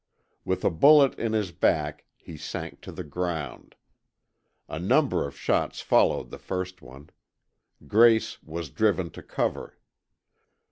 With a bullet in his back he sank to the ground. A number of shots followed the first one. Grace was driven to cover.